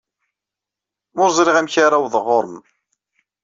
Ur ẓriɣ amek ara awḍeɣ ɣer-m.